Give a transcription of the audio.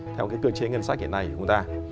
theo cơ chế ngân sách hiện nay của chúng ta